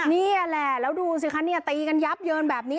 นี่แหละแล้วดูสิคะเนี่ยตีกันยับเยินแบบนี้